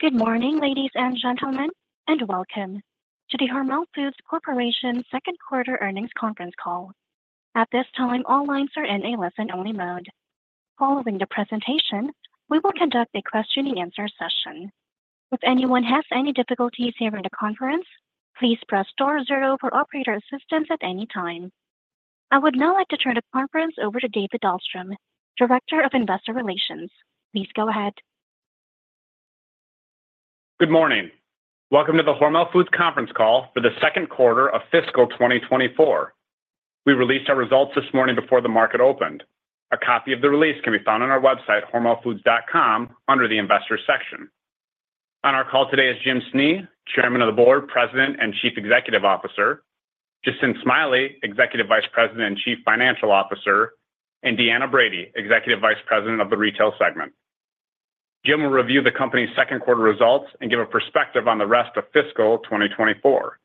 Good morning, ladies and gentlemen, and welcome to the Hormel Foods Corporation second quarter earnings conference call. At this time, all lines are in a listen-only mode. Following the presentation, we will conduct a question-and-answer session. If anyone has any difficulties during the conference, please press star zero for operator assistance at any time. I would now like to turn the conference over to David Dahlstrom, Director of Investor Relations. Please go ahead. Good morning. Welcome to the Hormel Foods conference call for the second quarter of fiscal 2024. We released our results this morning before the market opened. A copy of the release can be found on our website, hormelfoods.com, under the investor section. On our call today is Jim Snee, Chairman of the Board, President, and Chief Executive Officer, Jacinth Smiley, Executive Vice President and Chief Financial Officer, and Deanna Brady, Executive Vice President of the Retail segment. Jim will review the company's second quarter results and give a perspective on the rest of fiscal 2024.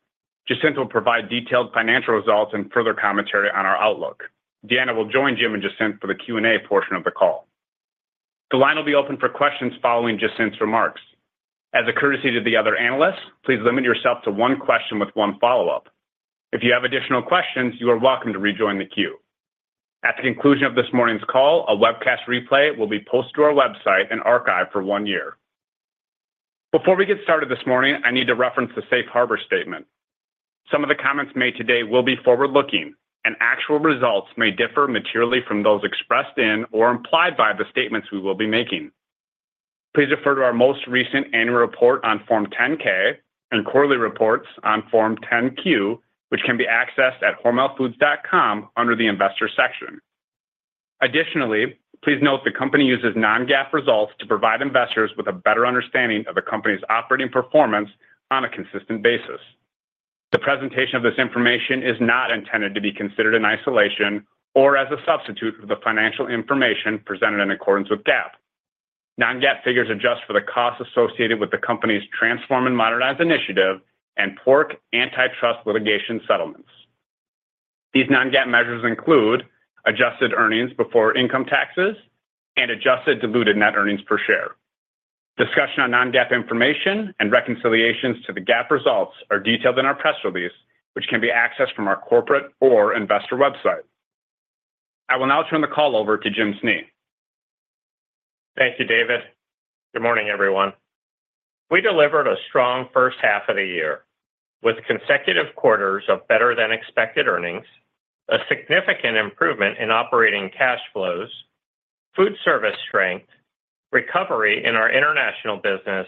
Jacinth will provide detailed financial results and further commentary on our outlook. Deanna will join Jim and Jacinth for the Q&A portion of the call. The line will be open for questions following Jacinth's remarks. As a courtesy to the other analysts, please limit yourself to one question with one follow-up. If you have additional questions, you are welcome to rejoin the queue. At the conclusion of this morning's call, a webcast replay will be posted to our website and archived for one year. Before we get started this morning, I need to reference the Safe Harbor statement. Some of the comments made today will be forward-looking, and actual results may differ materially from those expressed in or implied by the statements we will be making. Please refer to our most recent annual report on Form 10-K and quarterly reports on Form 10-Q, which can be accessed at hormelfoods.com under the investor section. Additionally, please note the company uses non-GAAP results to provide investors with a better understanding of the company's operating performance on a consistent basis. The presentation of this information is not intended to be considered in isolation or as a substitute for the financial information presented in accordance with GAAP. Non-GAAP figures adjust for the costs associated with the company's Transform and Modernize initiative and pork antitrust litigation settlements. These non-GAAP measures include adjusted earnings before income taxes and adjusted diluted net earnings per share. Discussion on non-GAAP information and reconciliations to the GAAP results are detailed in our press release, which can be accessed from our corporate or investor website. I will now turn the call over to Jim Snee. Thank you, David. Good morning, everyone. We delivered a strong first half of the year with consecutive quarters of better-than-expected earnings, a significant improvement in operating cash flows, food service strength, recovery in our international business,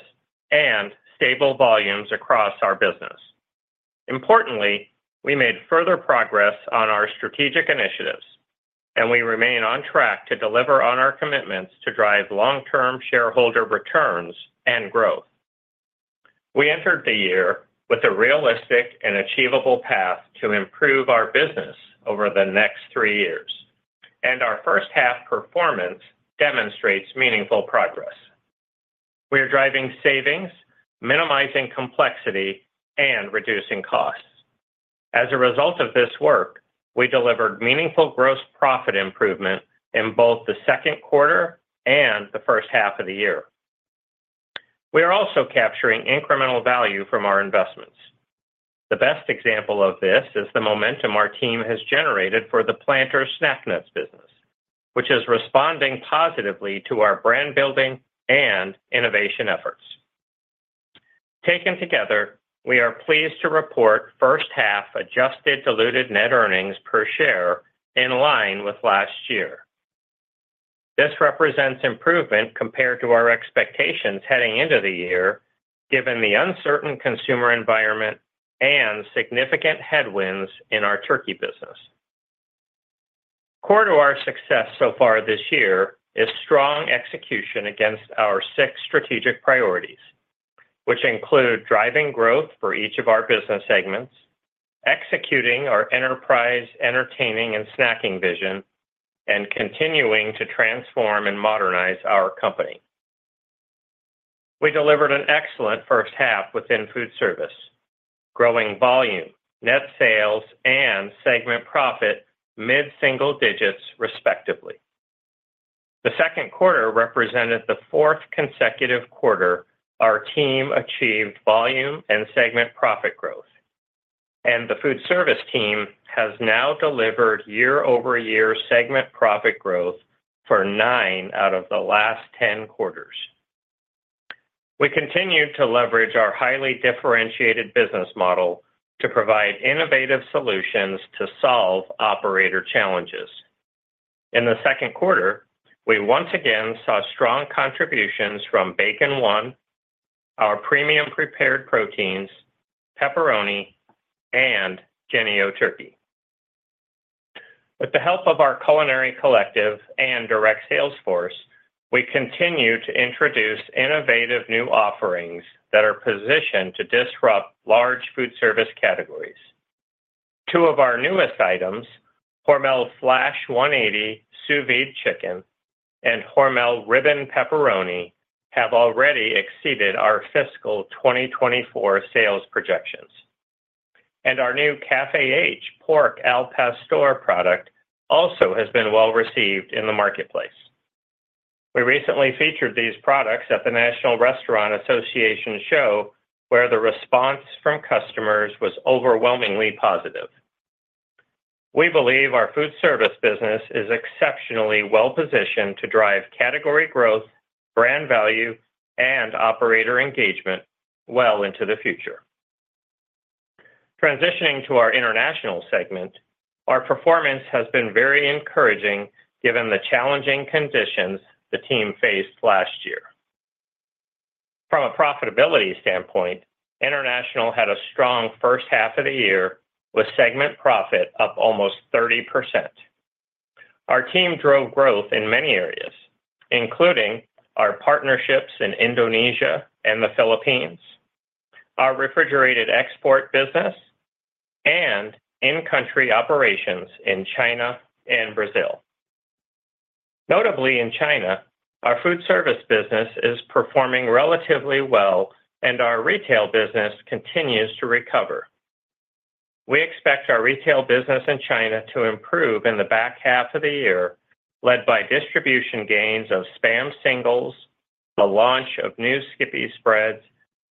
and stable volumes across our business. Importantly, we made further progress on our strategic initiatives, and we remain on track to deliver on our commitments to drive long-term shareholder returns and growth. We entered the year with a realistic and achievable path to improve our business over the next three years, and our first half performance demonstrates meaningful progress. We are driving savings, minimizing complexity, and reducing costs. As a result of this work, we delivered meaningful gross profit improvement in both the second quarter and the first half of the year. We are also capturing incremental value from our investments. The best example of this is the momentum our team has generated for the Planters snack nuts business, which is responding positively to our brand building and innovation efforts. Taken together, we are pleased to report first half Adjusted Diluted Net Earnings Per Share in line with last year. This represents improvement compared to our expectations heading into the year, given the uncertain consumer environment and significant headwinds in our turkey business. Core to our success so far this year is strong execution against our six strategic priorities, which include driving growth for each of our business segments, executing our enterprise, entertaining and snacking vision, and continuing to Transform and Modernize our company. We delivered an excellent first half within food service, growing volume, net sales, and segment profit, mid-single digits, respectively. The second quarter represented the fourth consecutive quarter our team achieved volume and segment profit growth, and the food service team has now delivered year-over-year segment profit growth for 9 out of the last 10 quarters. We continue to leverage our highly differentiated business model to provide innovative solutions to solve operator challenges. In the second quarter, we once again saw strong contributions from Bacon 1, our premium prepared proteins, pepperoni, and Jennie-O Turkey. With the help of our culinary collective and direct sales force, we continue to introduce innovative new offerings that are positioned to disrupt large food service categories. Two of our newest items, Hormel Flash 180 Sous Vide Chicken and Hormel Ribbon Pepperoni, have already exceeded our fiscal 2024 sales projections, and our new Café H pork al pastor product also has been well received in the marketplace. We recently featured these products at the National Restaurant Association Show, where the response from customers was overwhelmingly positive. We believe our food service business is exceptionally well-positioned to drive category growth, brand value, and operator engagement well into the future. Transitioning to our international segment, our performance has been very encouraging given the challenging conditions the team faced last year. From a profitability standpoint, international had a strong first half of the year, with segment profit up almost 30%. Our team drove growth in many areas, including our partnerships in Indonesia and the Philippines, our refrigerated export business, and in-country operations in China and Brazil. Notably, in China, our food service business is performing relatively well, and our retail business continues to recover. We expect our retail business in China to improve in the back half of the year, led by distribution gains of SPAM Singles, the launch of new Skippy spreads,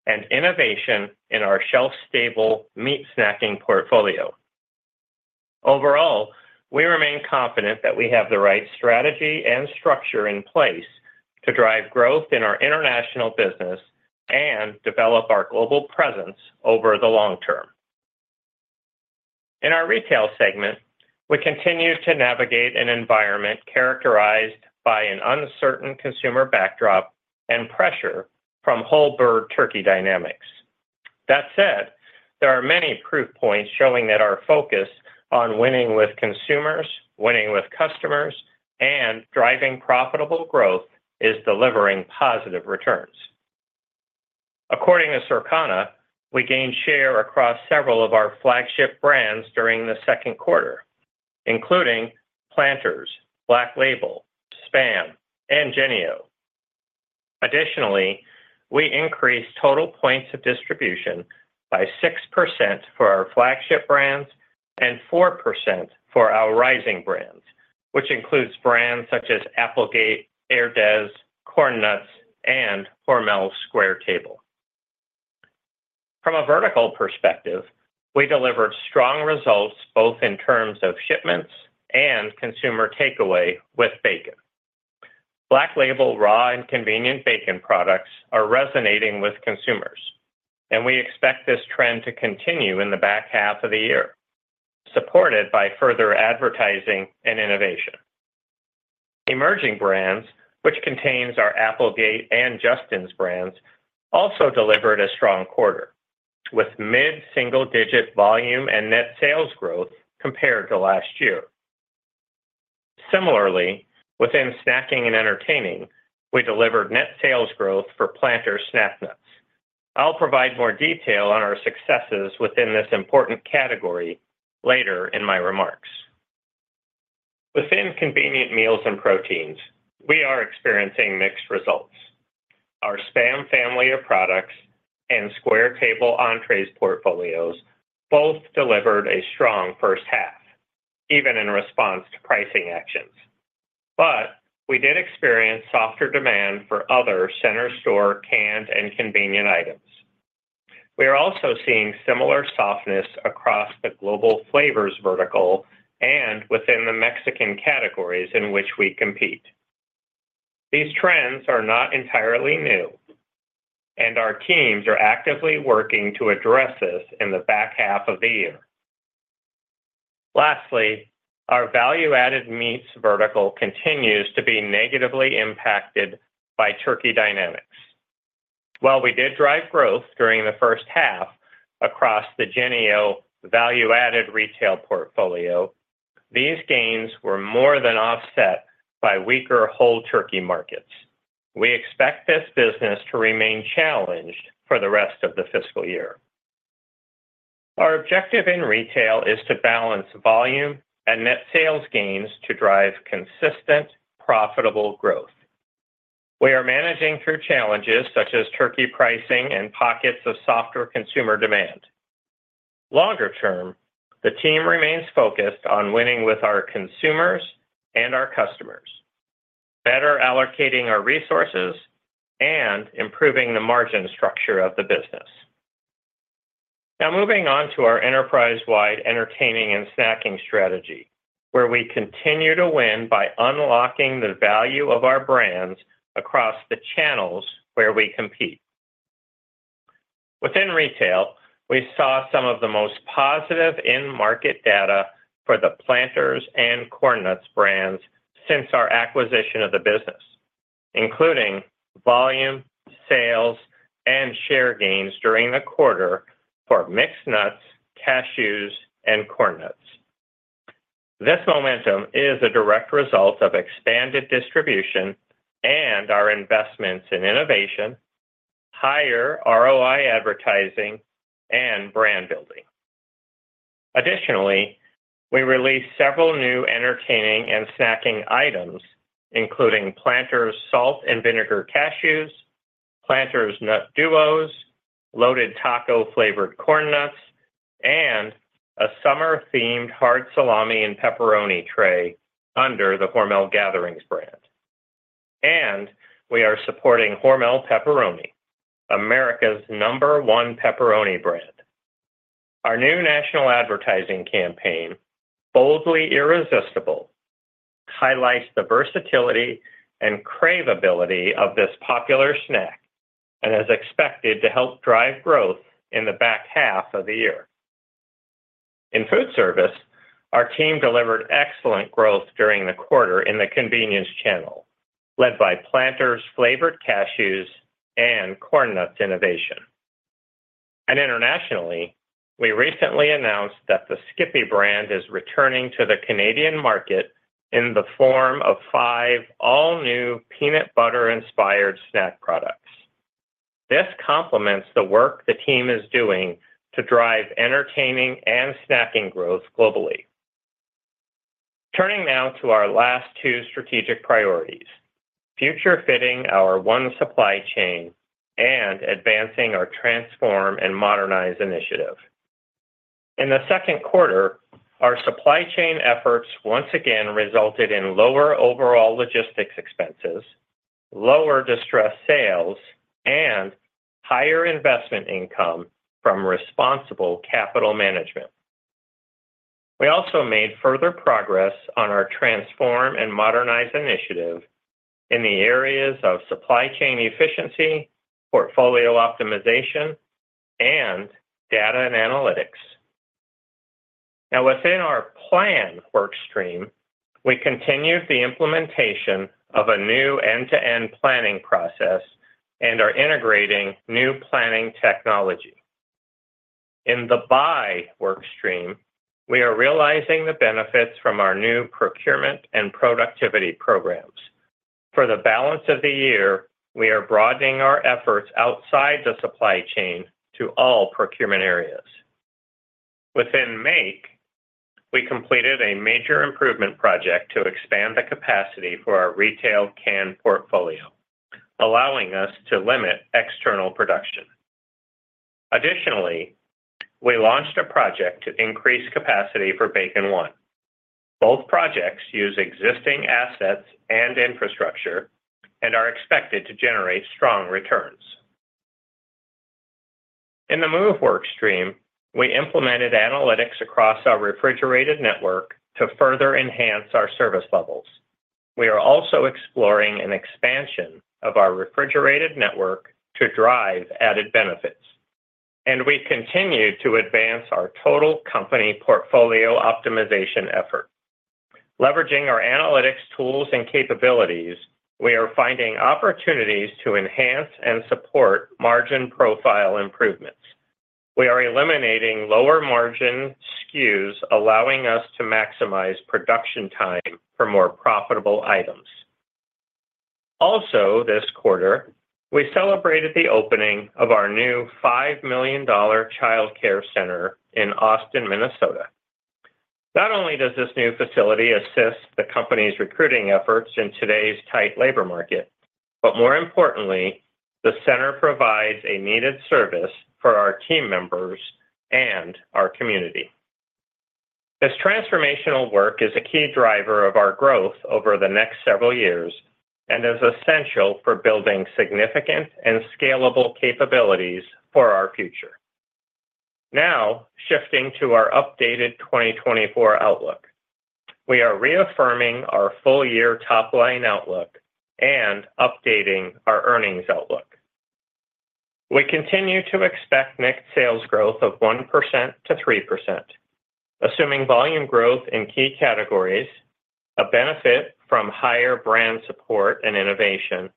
and innovation in our shelf-stable meat snacking portfolio. Overall, we remain confident that we have the right strategy and structure in place to drive growth in our international business and develop our global presence over the long term. In our retail segment, we continue to navigate an environment characterized by an uncertain consumer backdrop and pressure from whole bird turkey dynamics. That said, there are many proof points showing that our focus on winning with consumers, winning with customers, and driving profitable growth is delivering positive returns. According to Circana, we gained share across several of our flagship brands during the second quarter, including Planters, Black Label, SPAM, and Jennie-O. Additionally, we increased total points of distribution by 6% for our flagship brands and 4% for our rising brands, which includes brands such as Applegate, Herdez, Corn Nuts, and Hormel Square Table. From a vertical perspective, we delivered strong results both in terms of shipments and consumer takeaway with bacon. Black Label raw and convenient bacon products are resonating with consumers, and we expect this trend to continue in the back half of the year, supported by further advertising and innovation. Emerging brands, which contains our Applegate and Justin's brands, also delivered a strong quarter, with mid-single-digit volume and net sales growth compared to last year. Similarly, within snacking and entertaining, we delivered net sales growth for Planters snack nuts. I'll provide more detail on our successes within this important category later in my remarks. Within convenient meals and proteins, we are experiencing mixed results. Our SPAM family of products and Square Table entrees portfolios both delivered a strong first half, even in response to pricing actions. But we did experience softer demand for other center store canned and convenient items. We are also seeing similar softness across the global flavors vertical and within the Mexican categories in which we compete. These trends are not entirely new, and our teams are actively working to address this in the back half of the year. Lastly, our value-added meats vertical continues to be negatively impacted by turkey dynamics. While we did drive growth during the first half across the Jennie-O value-added retail portfolio, these gains were more than offset by weaker whole turkey markets. We expect this business to remain challenged for the rest of the fiscal year. Our objective in retail is to balance volume and net sales gains to drive consistent, profitable growth. We are managing through challenges such as turkey pricing and pockets of softer consumer demand. Longer term, the team remains focused on winning with our consumers and our customers, better allocating our resources, and improving the margin structure of the business. Now, moving on to our enterprise-wide entertaining and snacking strategy, where we continue to win by unlocking the value of our brands across the channels where we compete. Within retail, we saw some of the most positive in-market data for the Planters and Corn Nuts brands since our acquisition of the business, including volume, sales, and share gains during the quarter for mixed nuts, cashews, and Corn Nuts. This momentum is a direct result of expanded distribution and our investments in innovation, higher ROI advertising, and brand building. Additionally, we released several new entertaining and snacking items, including Planters Salt and Vinegar Cashews... Planters Nut Duos, Loaded Taco flavored Corn Nuts, and a summer-themed hard salami and pepperoni tray under the Hormel Gatherings brand. We are supporting Hormel Pepperoni, America's number one pepperoni brand. Our new national advertising campaign, Boldly Irresistible, highlights the versatility and craveability of this popular snack, and is expected to help drive growth in the back half of the year. In food service, our team delivered excellent growth during the quarter in the convenience channel, led by Planters flavored cashews and Corn Nuts innovation. Internationally, we recently announced that the Skippy brand is returning to the Canadian market in the form of five all-new peanut butter-inspired snack products. This complements the work the team is doing to drive entertaining and snacking growth globally. Turning now to our last two strategic priorities, future-fitting our one supply chain and advancing our Transform and Modernize initiative. In the second quarter, our supply chain efforts once again resulted in lower overall logistics expenses, lower distressed sales, and higher investment income from responsible capital management. We also made further progress on our Transform and Modernize initiative in the areas of supply chain efficiency, portfolio optimization, and data and analytics. Now, within our plan work stream, we continued the implementation of a new end-to-end planning process and are integrating new planning technology. In the buy work stream, we are realizing the benefits from our new procurement and productivity programs. For the balance of the year, we are broadening our efforts outside the supply chain to all procurement areas. Within make, we completed a major improvement project to expand the capacity for our retail can portfolio, allowing us to limit external production. Additionally, we launched a project to increase capacity for Bacon 1. Both projects use existing assets and infrastructure and are expected to generate strong returns. In the move work stream, we implemented analytics across our refrigerated network to further enhance our service levels. We are also exploring an expansion of our refrigerated network to drive added benefits, and we continue to advance our total company portfolio optimization effort. Leveraging our analytics tools and capabilities, we are finding opportunities to enhance and support margin profile improvements. We are eliminating lower margin SKUs, allowing us to maximize production time for more profitable items. Also, this quarter, we celebrated the opening of our new $5 million childcare center in Austin, Minnesota. Not only does this new facility assist the company's recruiting efforts in today's tight labor market, but more importantly, the center provides a needed service for our team members and our community. This transformational work is a key driver of our growth over the next several years and is essential for building significant and scalable capabilities for our future. Now, shifting to our updated 2024 outlook. We are reaffirming our full-year top-line outlook and updating our earnings outlook. We continue to expect net sales growth of 1%-3%, assuming volume growth in key categories, a benefit from higher brand support and innovation,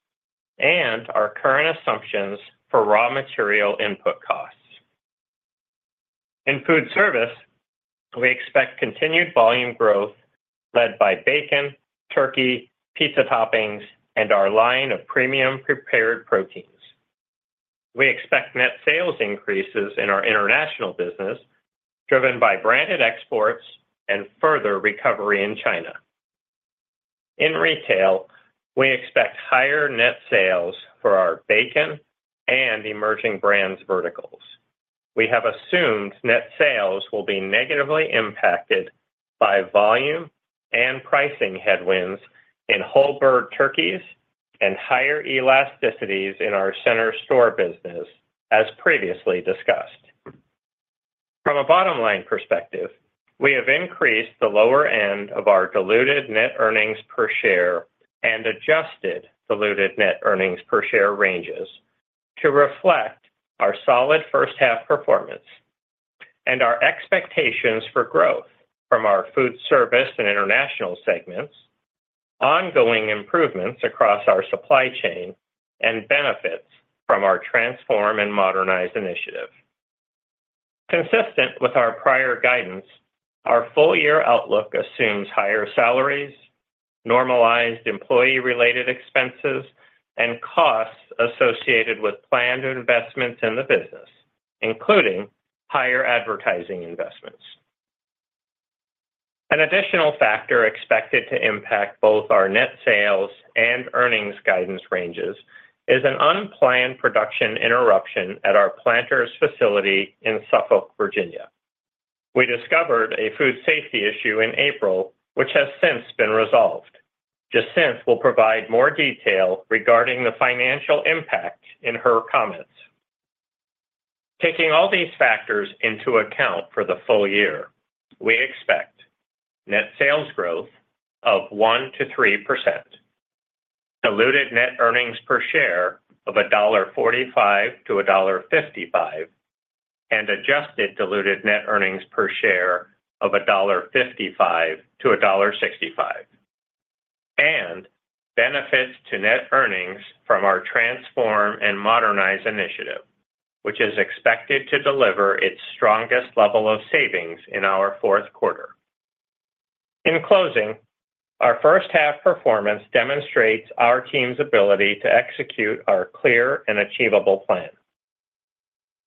and our current assumptions for raw material input costs. In food service, we expect continued volume growth led by bacon, turkey, pizza toppings, and our line of premium prepared proteins. We expect net sales increases in our international business, driven by branded exports and further recovery in China. In retail, we expect higher net sales for our bacon and emerging brands verticals. We have assumed net sales will be negatively impacted by volume and pricing headwinds in whole bird turkeys and higher elasticities in our center store business, as previously discussed. From a bottom-line perspective, we have increased the lower end of our diluted net earnings per share and adjusted diluted net earnings per share ranges to reflect our solid first half performance and our expectations for growth from our food service and international segments, ongoing improvements across our supply chain, and benefits from our Transform and Modernize initiative. Consistent with our prior guidance, our full-year outlook assumes higher salaries, normalized employee-related expenses, and costs associated with planned investments in the business, including higher advertising investments. An additional factor expected to impact both our net sales and earnings guidance ranges is an unplanned production interruption at our Planters facility in Suffolk, Virginia. We discovered a food safety issue in April, which has since been resolved. Jacinth will provide more detail regarding the financial impact in her comments. Taking all these factors into account for the full year, we expect net sales growth of 1%-3%, diluted net earnings per share of $1.45-$1.55, and adjusted diluted net earnings per share of $1.55-$1.65, and benefits to net earnings from our Transform and Modernize initiative, which is expected to deliver its strongest level of savings in our fourth quarter. In closing, our first half performance demonstrates our team's ability to execute our clear and achievable plan.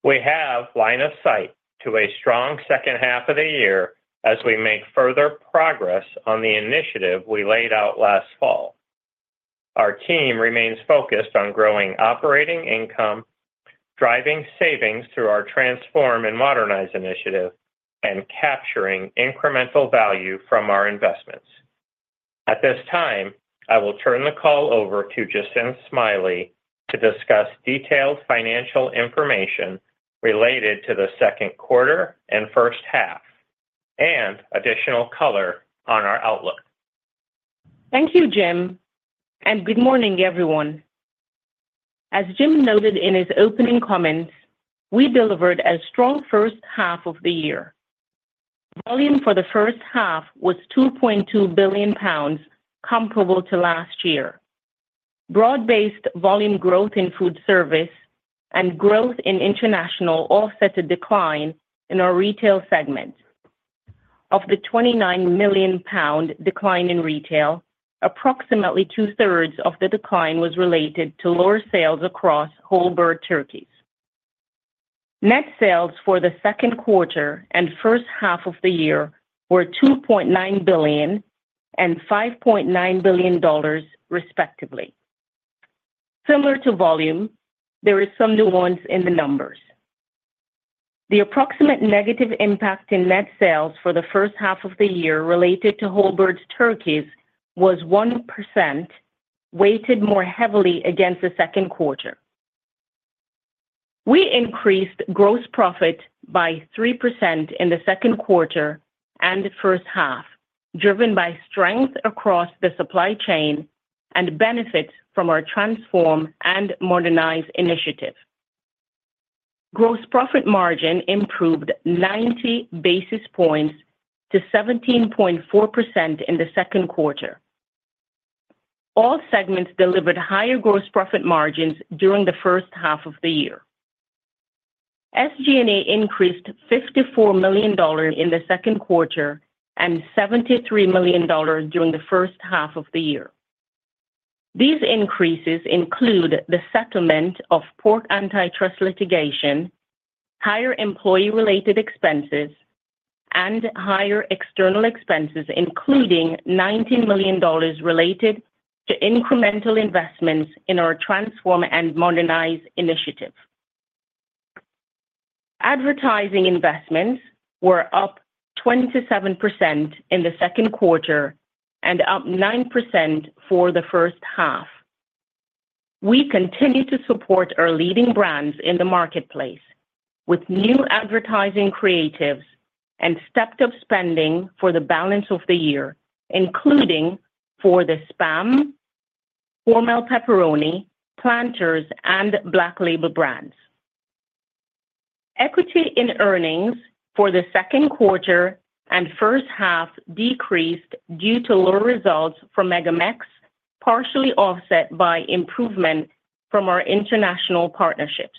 We have line of sight to a strong second half of the year as we make further progress on the initiative we laid out last fall. Our team remains focused on growing operating income, driving savings through our Transform and Modernize initiative, and capturing incremental value from our investments. At this time, I will turn the call over to Jacinth Smiley to discuss detailed financial information related to the second quarter and first half, and additional color on our outlook. Thank you, Jim, and good morning, everyone. As Jim noted in his opening comments, we delivered a strong first half of the year. Volume for the first half was 2.2 billion pounds, comparable to last year. Broad-based volume growth in food service and growth in international offset a decline in our retail segment. Of the 29 million pound decline in retail, approximately two-thirds of the decline was related to lower sales across whole bird turkeys. Net sales for the second quarter and first half of the year were $2.9 billion and $5.9 billion, respectively. Similar to volume, there is some nuance in the numbers. The approximate negative impact in net sales for the first half of the year related to whole bird turkeys was 1%, weighted more heavily against the second quarter. We increased gross profit by 3% in the second quarter and the first half, driven by strength across the supply chain and benefit from our Transform and Modernize initiative. Gross profit margin improved 90 basis points to 17.4% in the second quarter. All segments delivered higher gross profit margins during the first half of the year. SG&A increased $54 million in the second quarter and $73 million during the first half of the year. These increases include the settlement of pork antitrust litigation, higher employee-related expenses, and higher external expenses, including $19 million related to incremental investments in our Transform and Modernize initiative. Advertising investments were up 27% in the second quarter and up 9% for the first half. We continue to support our leading brands in the marketplace with new advertising creatives and stepped up spending for the balance of the year, including for the Spam, Hormel Pepperoni, Planters, and Black Label brands. Equity in earnings for the second quarter and first half decreased due to lower results from MegaMex, partially offset by improvement from our international partnerships.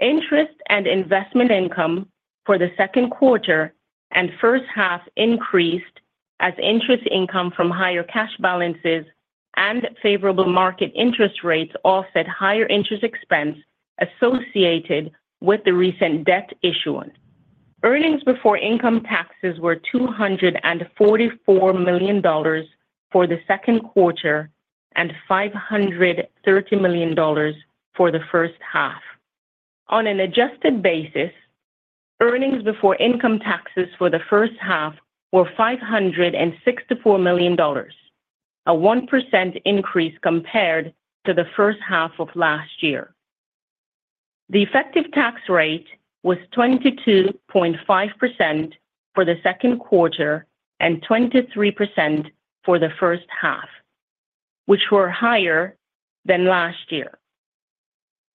Interest and investment income for the second quarter and first half increased as interest income from higher cash balances and favorable market interest rates offset higher interest expense associated with the recent debt issuance. Earnings before income taxes were $244 million for the second quarter and $530 million for the first half. On an adjusted basis, earnings before income taxes for the first half were $564 million, a 1% increase compared to the first half of last year. The effective tax rate was 22.5% for the second quarter and 23% for the first half, which were higher than last year.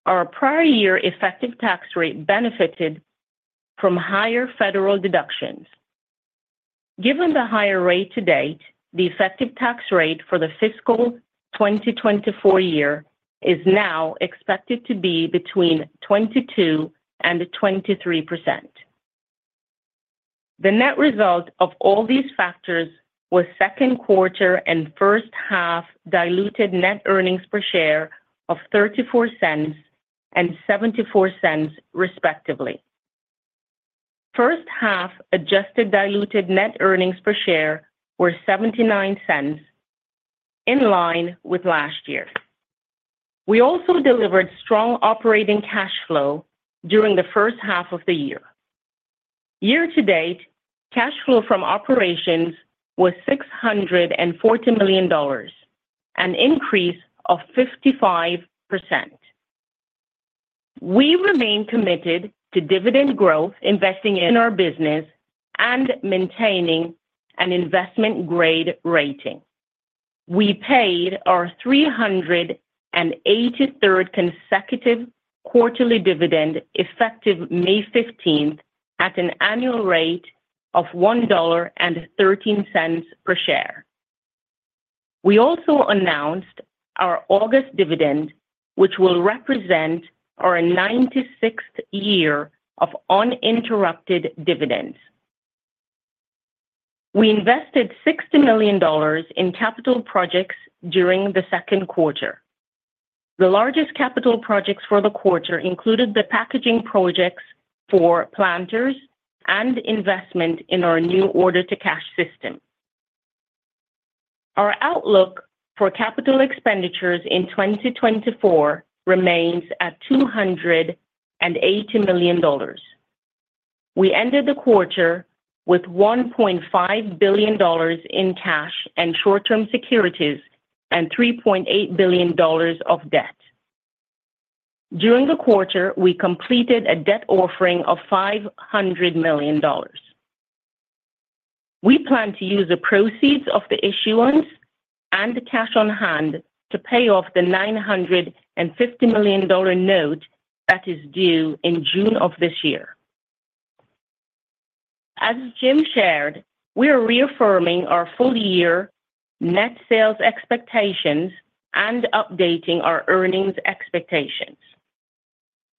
Our prior year effective tax rate benefited from higher federal deductions. Given the higher rate to date, the effective tax rate for the fiscal 2024 year is now expected to be between 22% and 23%. The net result of all these factors was second quarter and first half diluted net earnings per share of $0.34 and $0.74, respectively. First half adjusted diluted net earnings per share were $0.79, in line with last year. We also delivered strong operating cash flow during the first half of the year. Year to date, cash flow from operations was $640 million, an increase of 55%. We remain committed to dividend growth, investing in our business, and maintaining an investment-grade rating. We paid our 383rd consecutive quarterly dividend, effective May fifteenth, at an annual rate of $1.13 per share. We also announced our August dividend, which will represent our 96th year of uninterrupted dividends. We invested $60 million in capital projects during the second quarter. The largest capital projects for the quarter included the packaging projects for Planters and investment in our new order-to-cash system. Our outlook for capital expenditures in 2024 remains at $280 million. We ended the quarter with $1.5 billion in cash and short-term securities and $3.8 billion of debt. During the quarter, we completed a debt offering of $500 million. We plan to use the proceeds of the issuance and the cash on hand to pay off the $950 million note that is due in June of this year. As Jim shared, we are reaffirming our full-year net sales expectations and updating our earnings expectations.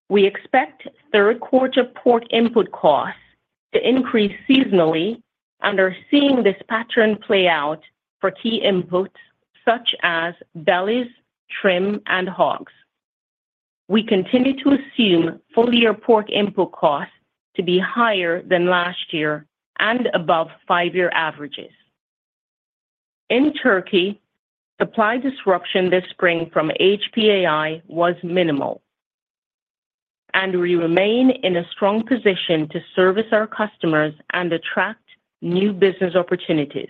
We expect third quarter pork input costs to increase seasonally and are seeing this pattern play out for key inputs, such as bellies, trim, and hogs. We continue to assume full-year pork input costs to be higher than last year and above five-year averages. In turkey, supply disruption this spring from HPAI was minimal, and we remain in a strong position to service our customers and attract new business opportunities.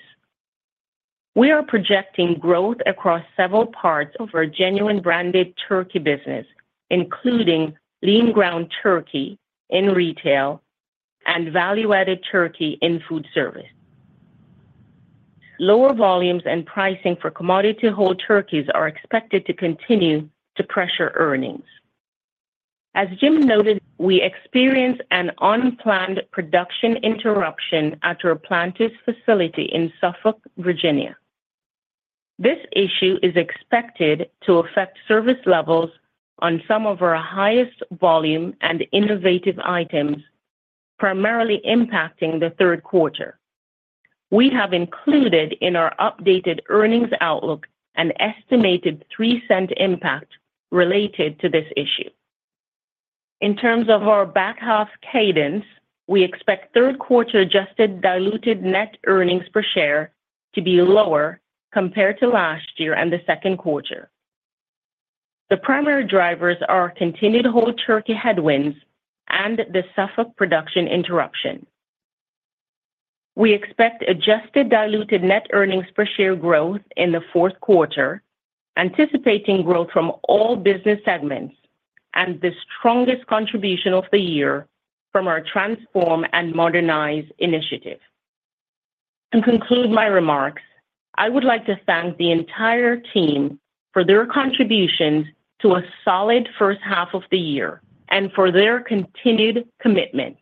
We are projecting growth across several parts of our genuine branded turkey business, including lean ground turkey in retail and value-added turkey in food service. Lower volumes and pricing for commodity whole turkeys are expected to continue to pressure earnings. As Jim noted, we experienced an unplanned production interruption at our Planters facility in Suffolk, Virginia. This issue is expected to affect service levels on some of our highest volume and innovative items, primarily impacting the third quarter. We have included in our updated earnings outlook an estimated $0.03 impact related to this issue. In terms of our back half cadence, we expect third quarter Adjusted Diluted Net Earnings Per Share to be lower compared to last year and the second quarter. The primary drivers are continued whole turkey headwinds and the Suffolk production interruption. We expect adjusted diluted net earnings per share growth in the fourth quarter, anticipating growth from all business segments and the strongest contribution of the year from our Transform and Modernize initiative. To conclude my remarks, I would like to thank the entire team for their contributions to a solid first half of the year and for their continued commitment.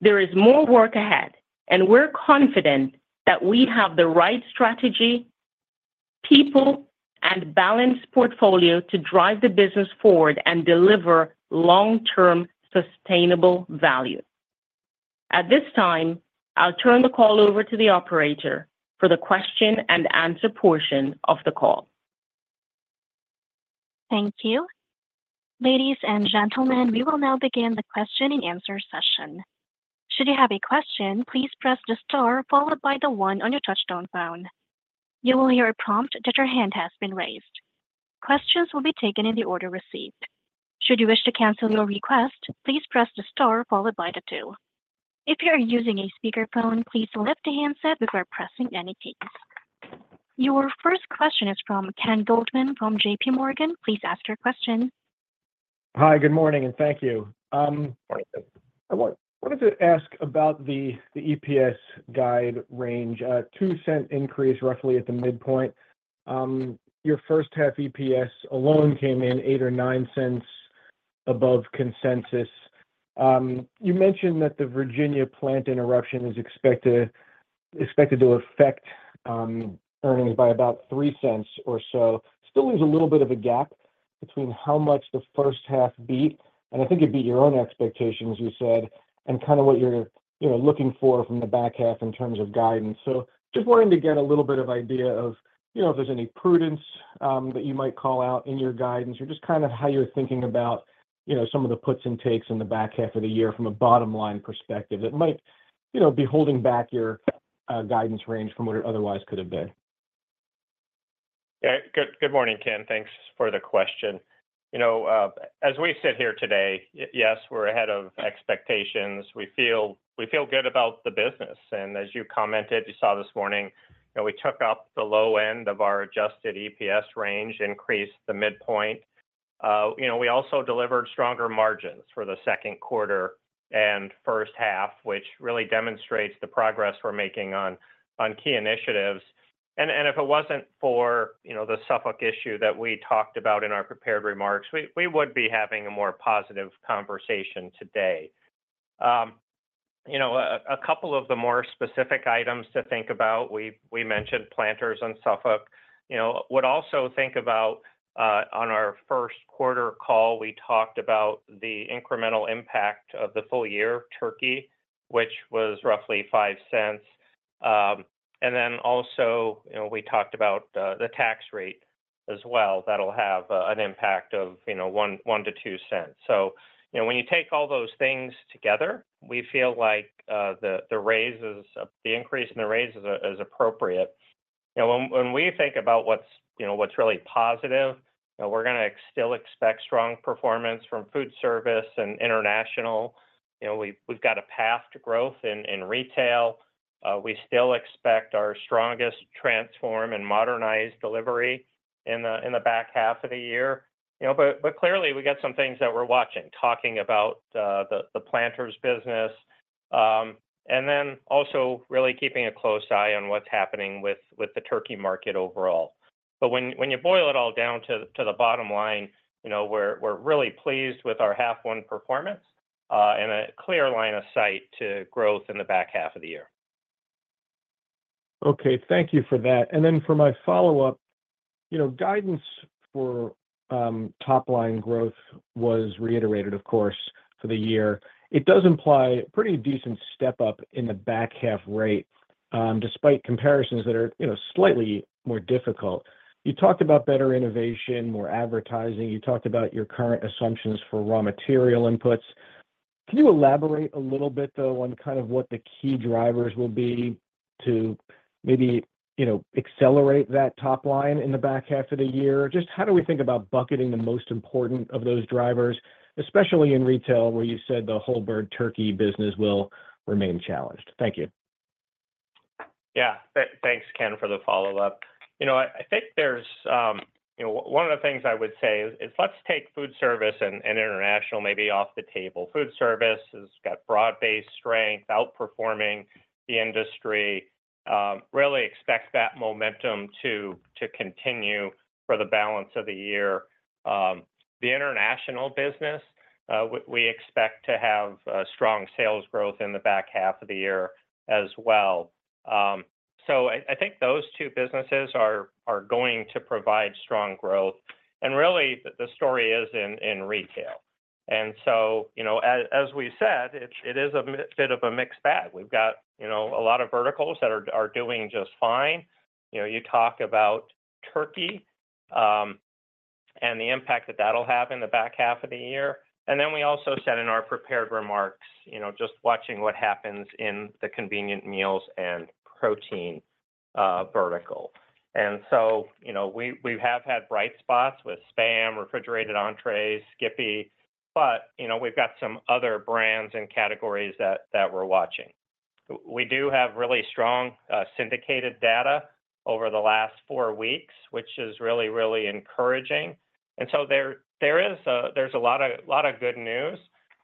There is more work ahead, and we're confident that we have the right strategy, people, and balanced portfolio to drive the business forward and deliver long-term sustainable value. At this time, I'll turn the call over to the operator for the question and answer portion of the call. Thank you. Ladies and gentlemen, we will now begin the question and answer session. Should you have a question, please press the star followed by the one on your touchtone phone. You will hear a prompt that your hand has been raised. Questions will be taken in the order received. Should you wish to cancel your request, please press the star followed by the two. If you are using a speakerphone, please lift the handset before pressing any keys. Your first question is from Ken Goldman from JPMorgan. Please ask your question. Hi, good morning, and thank you. I wanted to ask about the EPS guide range, a $0.02 increase roughly at the midpoint. Your first half EPS alone came in $0.08 or $0.09 above consensus. You mentioned that the Virginia plant interruption is expected to affect earnings by about $0.03 or so. Still leaves a little bit of a gap between how much the first half beat, and I think it beat your own expectations, you said, and kind of what you're, you know, looking for from the back half in terms of guidance. So just wanting to get a little bit of idea of, you know, if there's any prudence that you might call out in your guidance or just kind of how you're thinking about, you know, some of the puts and takes in the back half of the year from a bottom line perspective that might, you know, be holding back your guidance range from what it otherwise could have been? Yeah, good morning, Ken. Thanks for the question. You know, as we sit here today, yes, we're ahead of expectations. We feel, we feel good about the business, and as you commented, you saw this morning that we took up the low end of our adjusted EPS range, increased the midpoint. You know, we also delivered stronger margins for the second quarter and first half, which really demonstrates the progress we're making on key initiatives. And if it wasn't for, you know, the Suffolk issue that we talked about in our prepared remarks, we would be having a more positive conversation today. You know, a couple of the more specific items to think about, we mentioned Planters and Suffolk. You know, would also think about on our first quarter call, we talked about the incremental impact of the full year turkey, which was roughly $0.05. And then also, you know, we talked about the tax rate as well. That'll have an impact of, you know, one to two cents. So, you know, when you take all those things together, we feel like the increase in the raises is appropriate. You know, when we think about what's, you know, what's really positive, you know, we're gonna still expect strong performance from food service and international. You know, we've got a path to growth in retail. We still expect our strongest Transform and Modernize delivery in the back half of the year. You know, but clearly, we got some things that we're watching, talking about the Planters business, and then also really keeping a close eye on what's happening with the turkey market overall. But when you boil it all down to the bottom line, you know, we're really pleased with our half one performance, and a clear line of sight to growth in the back half of the year. Okay, thank you for that. And then for my follow-up, you know, guidance for top line growth was reiterated, of course, for the year. It does imply pretty decent step-up in the back half rate despite comparisons that are, you know, slightly more difficult. You talked about better innovation, more advertising. You talked about your current assumptions for raw material inputs. Can you elaborate a little bit, though, on kind of what the key drivers will be to maybe, you know, accelerate that top line in the back half of the year? Just how do we think about bucketing the most important of those drivers, especially in retail, where you said the whole bird turkey business will remain challenged? Thank you. Yeah. Thanks, Ken, for the follow-up. You know, I think there's, you know, one of the things I would say is let's take food service and international maybe off the table. Food service has got broad-based strength, outperforming the industry. Really expect that momentum to continue for the balance of the year. The international business, we expect to have strong sales growth in the back half of the year as well. So I think those two businesses are going to provide strong growth, and really, the story is in retail. So, you know, as we said, it's a bit of a mixed bag. We've got, you know, a lot of verticals that are doing just fine. You know, you talk about turkey, and the impact that that'll have in the back half of the year. And then we also said in our prepared remarks, you know, just watching what happens in the convenient meals and protein vertical. And so, you know, we, we have had bright spots with SPAM, refrigerated entrees, Skippy, but, you know, we've got some other brands and categories that, that we're watching. We do have really strong syndicated data over the last four weeks, which is really, really encouraging. And so there is a lot of good news,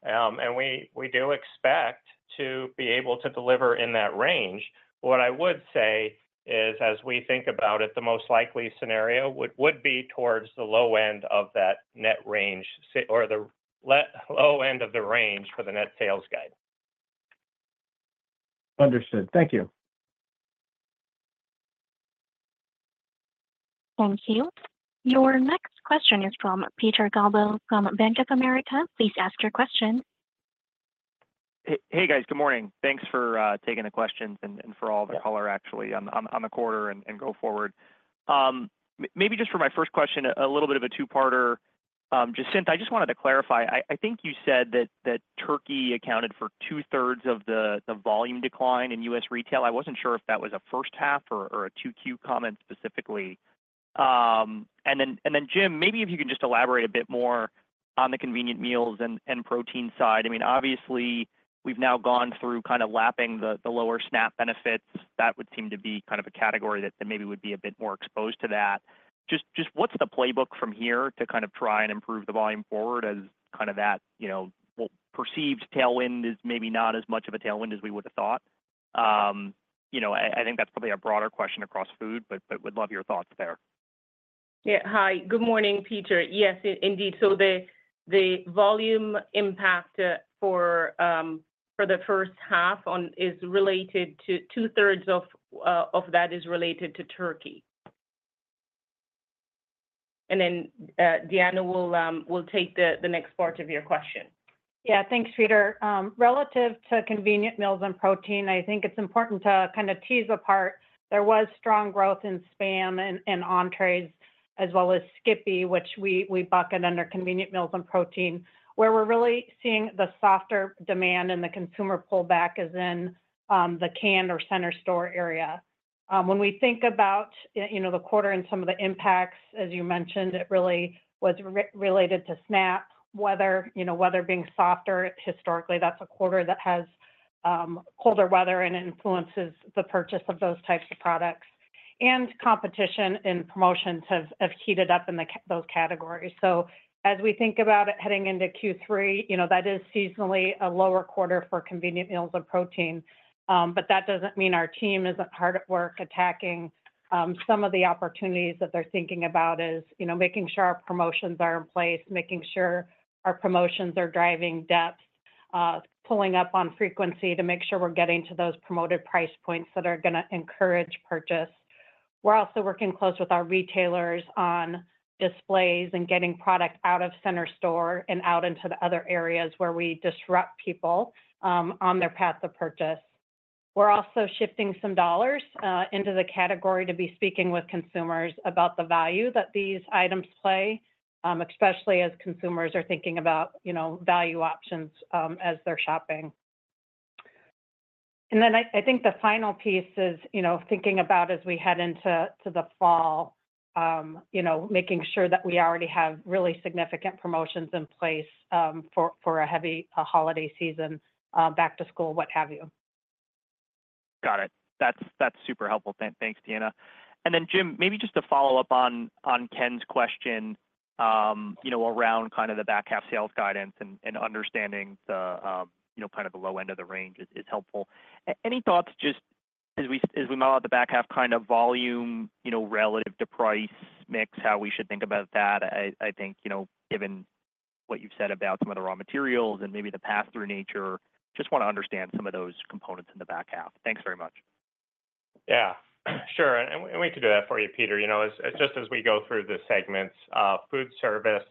and we, we do expect to be able to deliver in that range. What I would say is, as we think about it, the most likely scenario would be towards the low end of that net range or the low end of the range for the net sales guide. Understood. Thank you. Thank you. Your next question is from Peter Galbo, from Bank of America. Please ask your question. Hey, guys. Good morning. Thanks for taking the questions and for all the color actually on the quarter and go forward. Maybe just for my first question, a little bit of a two-parter. Jacinth, I just wanted to clarify. I think you said that turkey accounted for two-thirds of the volume decline in U.S. retail. I wasn't sure if that was a first half or a 2Q comment specifically. And then, Jim, maybe if you can just elaborate a bit more on the convenient meals and protein side. I mean, obviously, we've now gone through kind of lapping the lower SNAP benefits. That would seem to be kind of a category that maybe would be a bit more exposed to that. Just what's the playbook from here to kind of try and improve the volume forward as kind of that, you know, well, perceived tailwind is maybe not as much of a tailwind as we would have thought? You know, I think that's probably a broader question across food, but would love your thoughts there. Yeah. Hi, good morning, Peter. Yes, indeed. So the volume impact for the first half on is related to two-thirds of that is related to turkey. ... and then, Deanna will take the next part of your question. Yeah, thanks, Peter. Relative to convenient meals and protein, I think it's important to kind of tease apart. There was strong growth in SPAM and entrees as well as Skippy, which we bucket under convenient meals and protein. Where we're really seeing the softer demand and the consumer pullback is in the canned or center store area. When we think about, you know, the quarter and some of the impacts, as you mentioned, it really was related to SNAP, weather, you know, weather being softer. Historically, that's a quarter that has colder weather, and it influences the purchase of those types of products. And competition and promotions have heated up in those categories. So as we think about it heading into Q3, you know, that is seasonally a lower quarter for convenient meals and protein. But that doesn't mean our team isn't hard at work attacking. Some of the opportunities that they're thinking about is, you know, making sure our promotions are in place, making sure our promotions are driving depth, pulling up on frequency to make sure we're getting to those promoted price points that are gonna encourage purchase. We're also working close with our retailers on displays and getting product out of center store and out into the other areas where we disrupt people, on their path to purchase. We're also shifting some dollars into the category to be speaking with consumers about the value that these items play, especially as consumers are thinking about, you know, value options, as they're shopping. And then I think the final piece is, you know, thinking about as we head into the fall, you know, making sure that we already have really significant promotions in place, for a heavy holiday season, back to school, what have you. Got it. That's super helpful. Thanks, Deanna. And then, Jim, maybe just to follow up on Ken's question, you know, around kind of the back half sales guidance and understanding the, you know, kind of the low end of the range is helpful. Any thoughts just as we model out the back half kind of volume, you know, relative to price, mix, how we should think about that? I think, you know, given what you've said about some of the raw materials and maybe the pass-through nature, just wanna understand some of those components in the back half. Thanks very much. Yeah, sure. And we can do that for you, Peter. You know, as we go through the segments, food service,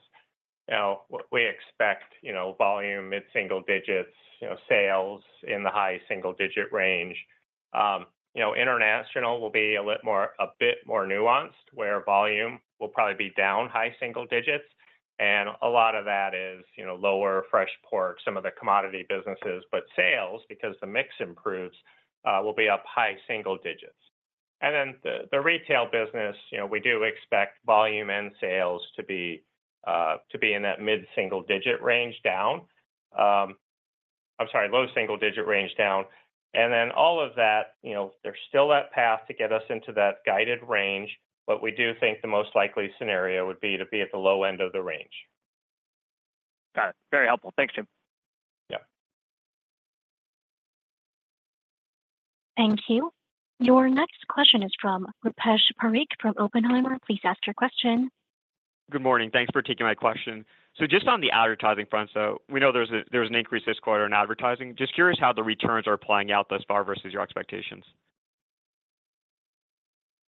you know, we expect, you know, volume mid-single digits, you know, sales in the high single-digit range. You know, international will be a bit more nuanced, where volume will probably be down high single digits, and a lot of that is, you know, lower fresh pork, some of the commodity businesses. But sales, because the mix improves, will be up high single digits. And then the retail business, you know, we do expect volume and sales to be in that mid-single-digit range down. I'm sorry, low single-digit range down. And then all of that, you know, there's still that path to get us into that guided range, but we do think the most likely scenario would be to be at the low end of the range. Got it. Very helpful. Thanks, Jim. Yeah. Thank you. Your next question is from Rupesh Parikh from Oppenheimer. Please ask your question. Good morning. Thanks for taking my question. So just on the advertising front, so we know there was an increase this quarter in advertising. Just curious how the returns are playing out thus far versus your expectations.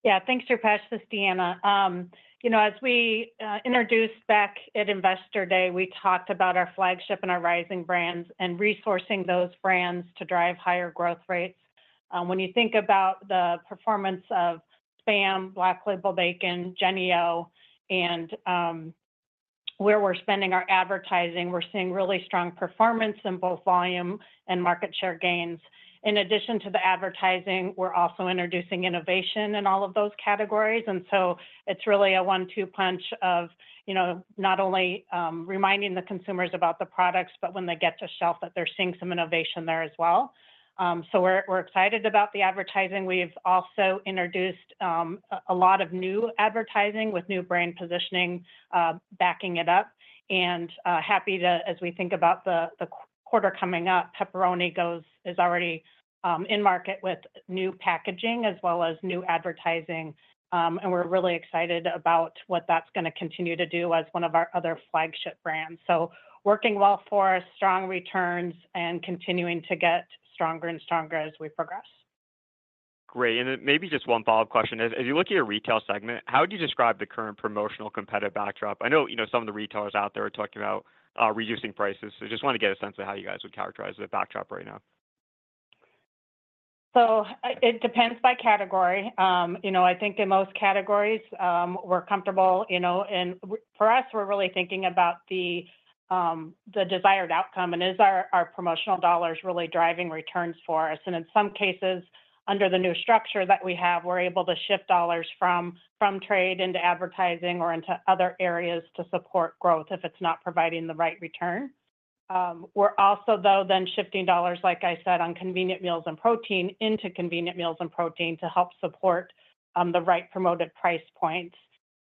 Yeah. Thanks, Rupesh. This is Deanna. You know, as we introduced back at Investor Day, we talked about our flagship and our rising brands and resourcing those brands to drive higher growth rates. When you think about the performance of SPAM, Black Label Bacon, Jennie-O, and where we're spending our advertising, we're seeing really strong performance in both volume and market share gains. In addition to the advertising, we're also introducing innovation in all of those categories, and so it's really a one-two punch of, you know, not only reminding the consumers about the products, but when they get to shelf, that they're seeing some innovation there as well. So we're excited about the advertising. We've also introduced a lot of new advertising with new brand positioning backing it up, and happy to, as we think about the quarter coming up, pepperoni is already in market with new packaging as well as new advertising. And we're really excited about what that's gonna continue to do as one of our other flagship brands. So working well for us, strong returns, and continuing to get stronger and stronger as we progress. Great. And then maybe just one follow-up question. As you look at your retail segment, how would you describe the current promotional competitive backdrop? I know, you know, some of the retailers out there are talking about reducing prices. So just wanna get a sense of how you guys would characterize the backdrop right now. So it depends by category. You know, I think in most categories, we're comfortable, you know. And for us, we're really thinking about the desired outcome, and is our, our promotional dollars really driving returns for us? And in some cases, under the new structure that we have, we're able to shift dollars from trade into advertising or into other areas to support growth if it's not providing the right return. We're also, though, then shifting dollars, like I said, on convenient meals and protein into convenient meals and protein to help support the right promoted price points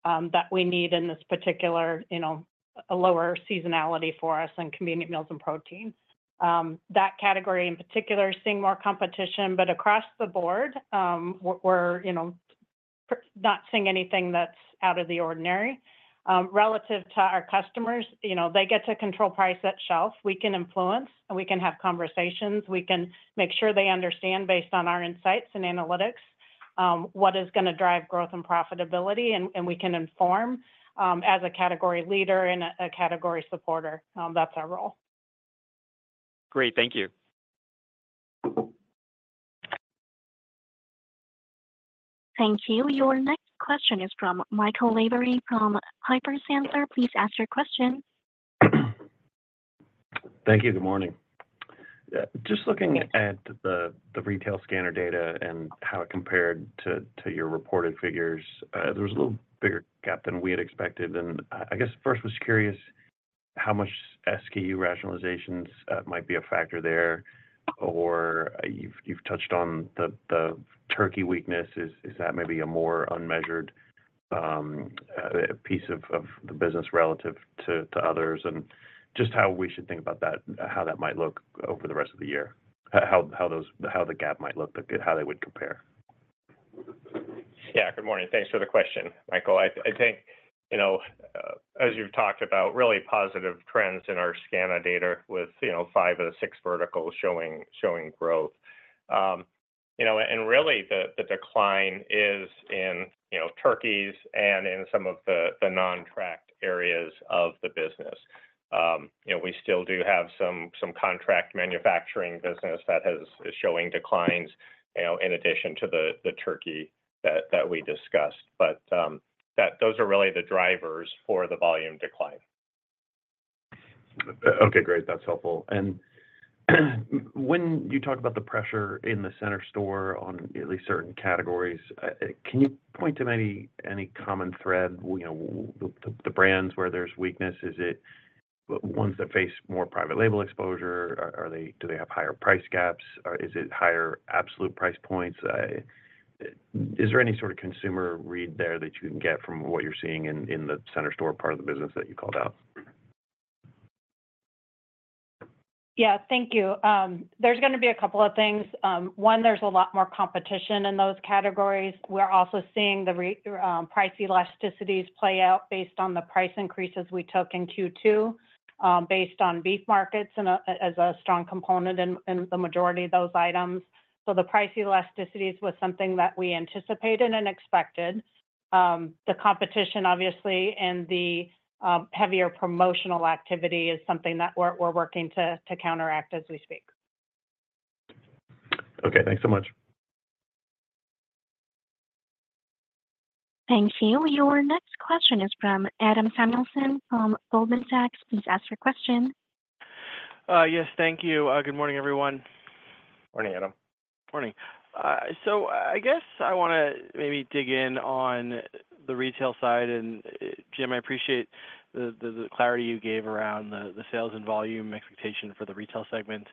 that we need in this particular, you know, a lower seasonality for us in convenient meals and protein. That category, in particular, is seeing more competition. But across the board, we're, you know, not seeing anything that's out of the ordinary. Relative to our customers, you know, they get to control price at shelf. We can influence, and we can have conversations. We can make sure they understand, based on our insights and analytics, what is gonna drive growth and profitability, and we can inform as a category leader and a category supporter, that's our role. ... Great. Thank you. Thank you. Your next question is from Michael Lavery from Piper Sandler. Please ask your question. Thank you. Good morning. Just looking at the retail scanner data and how it compared to your reported figures, there was a little bigger gap than we had expected. And I guess first was curious how much SKU rationalizations might be a factor there, or you've touched on the turkey weakness. Is that maybe a more unmeasured piece of the business relative to others? And just how we should think about that, how that might look over the rest of the year. How the gap might look, but how they would compare. Yeah. Good morning. Thanks for the question, Michael. I think, you know, as you've talked about really positive trends in our scanner data with, you know, five of the six verticals showing growth. You know, and really the decline is in, you know, turkeys and in some of the non-tracked areas of the business. You know, we still do have some contract manufacturing business that is showing declines, you know, in addition to the turkey that we discussed. But, those are really the drivers for the volume decline. Okay, great. That's helpful. And when you talk about the pressure in the center store on at least certain categories, can you point to any common thread? You know, the brands where there's weakness, is it ones that face more private label exposure? Or are they do they have higher price gaps? Or is it higher absolute price points? Is there any sort of consumer read there that you can get from what you're seeing in the center store part of the business that you called out? Yeah. Thank you. There's gonna be a couple of things. One, there's a lot more competition in those categories. We're also seeing price elasticities play out based on the price increases we took in Q2, based on beef markets and as a strong component in the majority of those items. So the price elasticities was something that we anticipated and expected. The competition, obviously, and the heavier promotional activity is something that we're working to counteract as we speak. Okay, thanks so much. Thank you. Your next question is from Adam Samuelson from Goldman Sachs. Please ask your question. Yes, thank you. Good morning, everyone. Morning, Adam. Morning. So I guess I wanna maybe dig in on the retail side. And, Jim, I appreciate the clarity you gave around the sales and volume expectation for the retail segment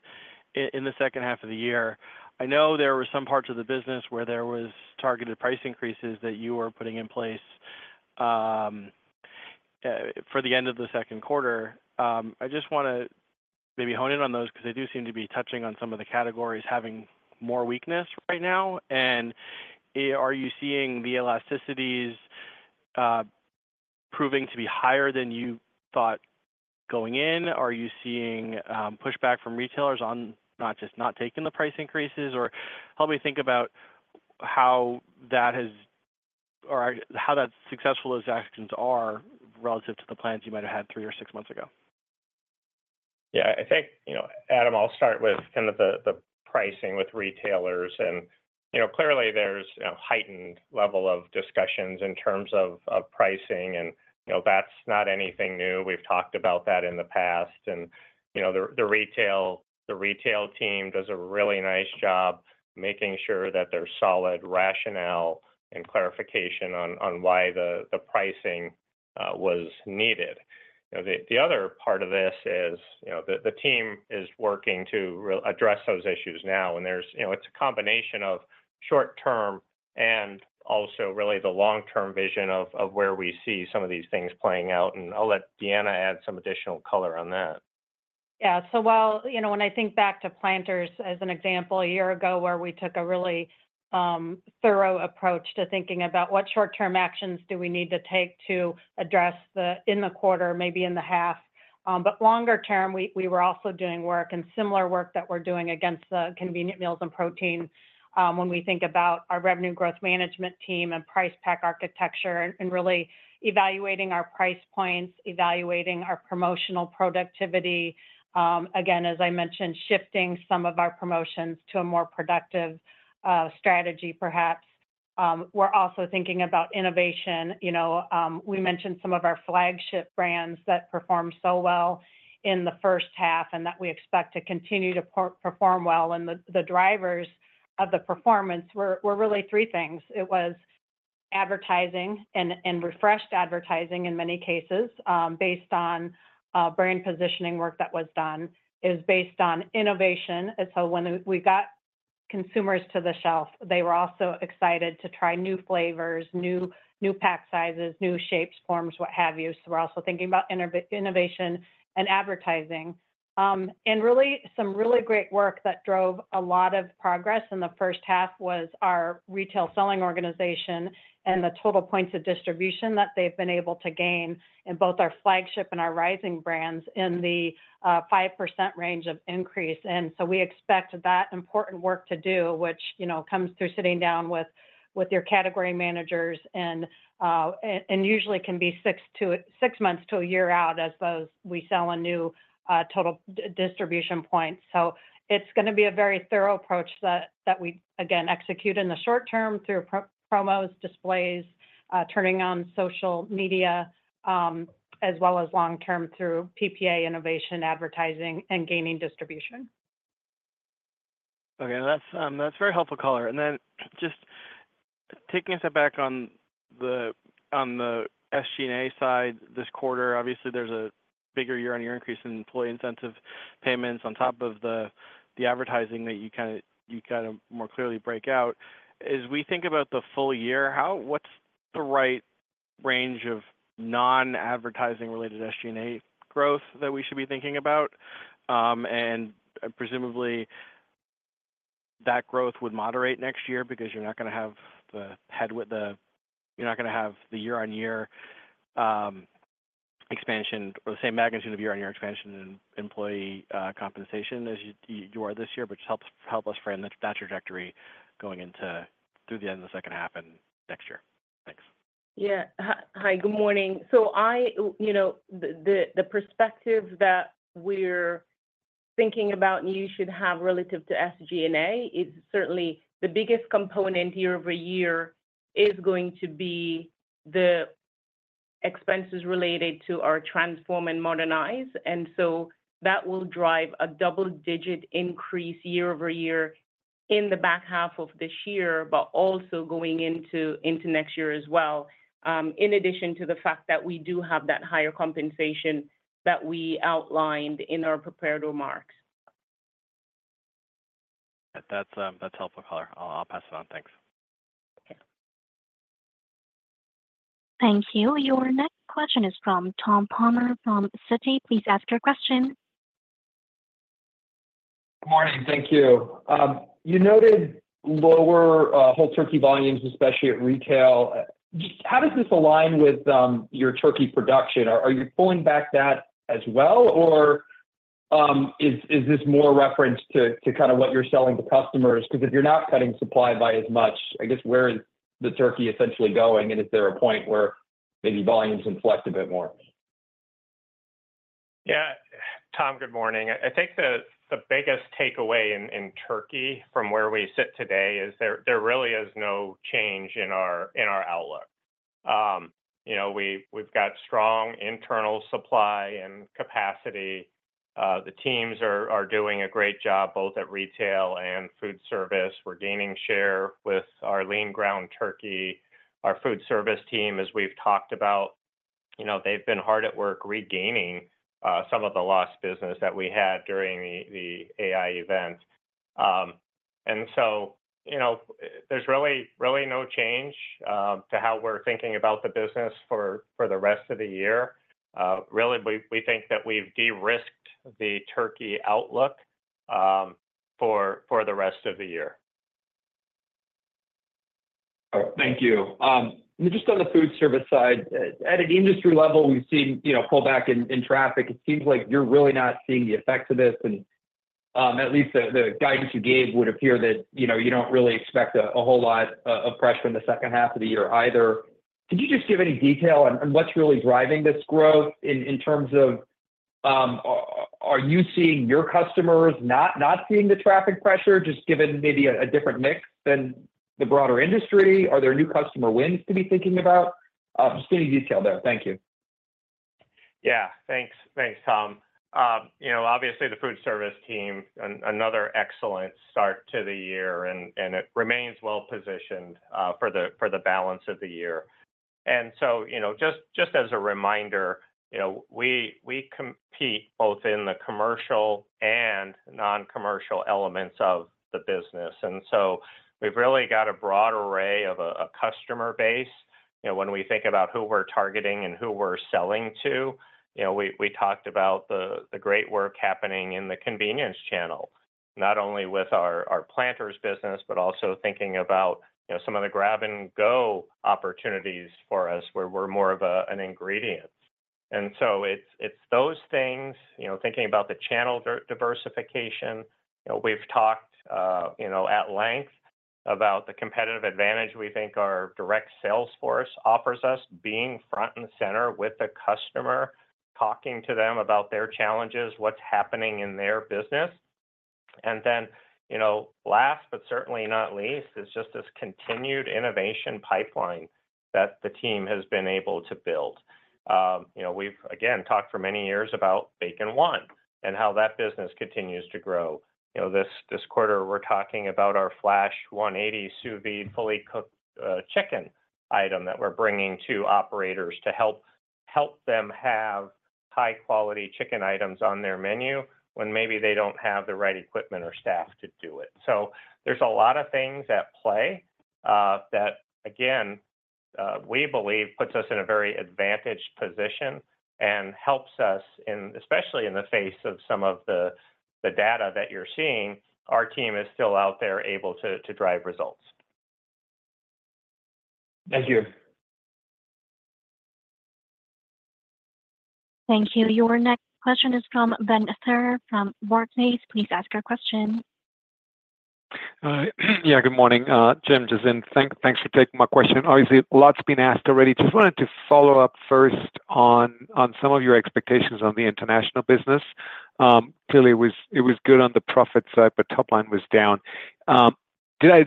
in the second half of the year. I know there were some parts of the business where there was targeted price increases that you were putting in place for the end of the second quarter. I just wanna maybe hone in on those because they do seem to be touching on some of the categories having more weakness right now. And, are you seeing the elasticities proving to be higher than you thought going in? Are you seeing pushback from retailers on not just not taking the price increases? Or help me think about how successful those actions are relative to the plans you might have had 3 or 6 months ago. Yeah, I think, you know, Adam, I'll start with kind of the, the pricing with retailers. And, you know, clearly there's a heightened level of discussions in terms of, of pricing, and, you know, that's not anything new. We've talked about that in the past. And, you know, the, the retail, the retail team does a really nice job making sure that there's solid rationale and clarification on, on why the, the pricing was needed. You know, the, the other part of this is, you know, the, the team is working to re-address those issues now. And there's, you know, it's a combination of short term and also really the long-term vision of, of where we see some of these things playing out. And I'll let Deanna add some additional color on that. Yeah. So while, you know, when I think back to Planters, as an example, a year ago, where we took a really thorough approach to thinking about what short-term actions do we need to take to address the in the quarter, maybe in the half. But longer term, we were also doing work and similar work that we're doing against the convenient meals and protein, when we think about our revenue growth management team and Price Pack Architecture, and really evaluating our price points, evaluating our promotional productivity. Again, as I mentioned, shifting some of our promotions to a more productive strategy, perhaps. We're also thinking about innovation. You know, we mentioned some of our flagship brands that performed so well in the first half and that we expect to continue to perform well. The drivers of the performance were really three things. It was advertising and refreshed advertising, in many cases, based on brand positioning work that was done, is based on innovation. And so when we got consumers to the shelf, they were also excited to try new flavors, new pack sizes, new shapes, forms, what have you. So we're also thinking about innovation and advertising. And really, some really great work that drove a lot of progress in the first half was our retail selling organization and the total points of distribution that they've been able to gain in both our flagship and our rising brands in the 5% range of increase. And so we expect that important work to do, which, you know, comes through sitting down with your category managers, and usually can be six months to a year out as those we sell a new total distribution point. So it's gonna be a very thorough approach that we, again, execute in the short term through promos, displays, turning on social media, as well as long term through PPA innovation, advertising, and gaining distribution.... Okay, that's very helpful, Caller. And then just taking a step back on the SG&A side this quarter, obviously, there's a bigger year-on-year increase in employee incentive payments on top of the advertising that you kinda more clearly break out. As we think about the full year, how—what's the right range of non-advertising related SG&A growth that we should be thinking about? And presumably, that growth would moderate next year because you're not gonna have the year-on-year expansion or the same magnitude of year-on-year expansion in employee compensation as you are this year. But just help us frame that trajectory going into through the end of the second half and next year. Thanks. Yeah. Hi, good morning. So you know, the perspective that we're thinking about and you should have relative to SG&A is certainly the biggest component year-over-year is going to be the expenses related to our Transform and Modernize. And so that will drive a double-digit increase year-over-year in the back half of this year, but also going into next year as well, in addition to the fact that we do have that higher compensation that we outlined in our prepared remarks. That's, that's helpful, Caller. I'll, I'll pass it on. Thanks. Okay. Thank you. Your next question is from Tom Palmer from Citi. Please ask your question. Good morning. Thank you. You noted lower whole turkey volumes, especially at retail. How does this align with your turkey production? Are you pulling back that as well, or is this more reference to kind of what you're selling to customers? Because if you're not cutting supply by as much, I guess, where is the turkey essentially going? And is there a point where maybe volumes inflect a bit more? Yeah. Tom, good morning. I think the biggest takeaway in turkey from where we sit today is there really is no change in our outlook. You know, we've got strong internal supply and capacity. The teams are doing a great job, both at retail and food service. We're gaining share with our lean ground turkey. Our food service team, as we've talked about, you know, they've been hard at work regaining some of the lost business that we had during the AI event. And so, you know, there's really no change to how we're thinking about the business for the rest of the year. Really, we think that we've de-risked the turkey outlook for the rest of the year. All right, thank you. Just on the food service side, at an industry level, we've seen, you know, pull back in, in traffic. It seems like you're really not seeing the effects of this, and, at least the, the guidance you gave would appear that, you know, you don't really expect a, a whole lot of, of pressure in the second half of the year either. Could you just give any detail on, on what's really driving this growth in, in terms of, are you seeing your customers not, not seeing the traffic pressure, just given maybe a different mix than the broader industry? Are there new customer wins to be thinking about? Just any detail there. Thank you. Yeah, thanks. Thanks, Tom. You know, obviously the food service team, another excellent start to the year, and it remains well positioned for the balance of the year. And so, you know, just as a reminder, you know, we compete both in the commercial and non-commercial elements of the business, and so we've really got a broad array of a customer base. You know, when we think about who we're targeting and who we're selling to, you know, we talked about the great work happening in the convenience channel, not only with our Planters business, but also thinking about, you know, some of the grab-and-go opportunities for us, where we're more of an ingredient. And so it's those things, you know, thinking about the channel diversification. You know, we've talked, you know, at length about the competitive advantage we think our direct sales force offers us, being front and center with the customer, talking to them about their challenges, what's happening in their business. And then, you know, last, but certainly not least, is just this continued innovation pipeline that the team has been able to build. You know, we've again, talked for many years about Bacon 1 and how that business continues to grow. You know, this, this quarter, we're talking about our Flash 180 Sous Vide fully cooked chicken item that we're bringing to operators to help, help them have high-quality chicken items on their menu when maybe they don't have the right equipment or staff to do it. So there's a lot of things at play that, again, we believe puts us in a very advantaged position and helps us, especially in the face of some of the data that you're seeing. Our team is still out there able to drive results. Thank you. Thank you. Your next question is from Ben Theurer from Barclays. Please ask your question. Yeah, good morning, Jim, Jacinth. Thanks for taking my question. Obviously, a lot's been asked already. Just wanted to follow up first on some of your expectations on the international business. Clearly, it was good on the profit side, but top line was down.... Did